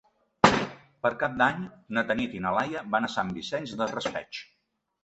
Per Cap d'Any na Tanit i na Laia van a Sant Vicent del Raspeig.